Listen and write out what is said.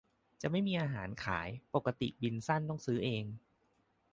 จะไม่มีอาหารขาย ปกติบินสั้นต้องซื้อเอง